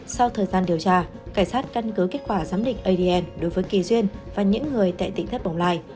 sau thời gian điều tra cảnh sát căn cứ kết quả giám định adn đối với kỳ duyên và những người tại tỉnh thất bồng lai